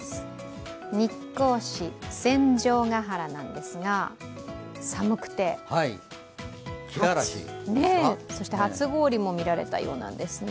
日光市の戦場ヶ原なんですが、寒くて、そして初氷も見られたようですね。